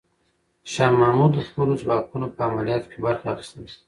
شاه محمود د خپلو ځواکونو په عملیاتو کې برخه اخیستله.